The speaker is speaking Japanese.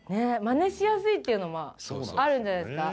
まねしやすいっていうのもあるんじゃないですか。